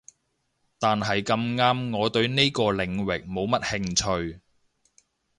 但係咁啱我對呢個領域冇乜興趣